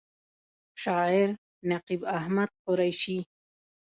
شاعر: نقیب احمد قریشي